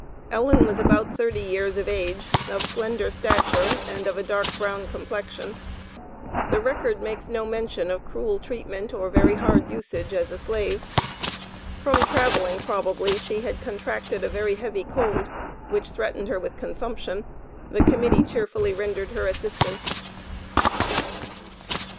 Ellen was about thirty years of age, of slender stature, and of a dark brown complexion. The record makes no mention of cruel treatment or very hard usage, as a slave. From traveling, probably, she had contracted a very heavy cold, which threatened her with consumption. The Committee cheerfully rendered her assistance.